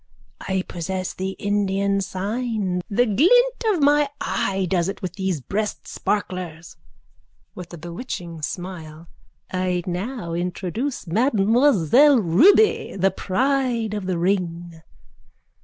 _ I possess the Indian sign. The glint of my eye does it with these breastsparklers. (With a bewitching smile.) I now introduce Mademoiselle Ruby, the pride of the ring.